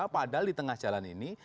padahal di tengah jalan ini